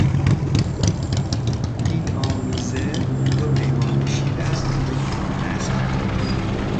این آمیزه دو پیمانه شیر است و یک پیمانه عسل.